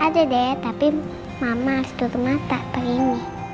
ada deh tapi mama harus tutup mata begini